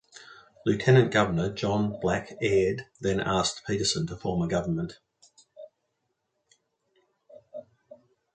Lieutenant-Governor John Black Aird then asked Peterson to form a government.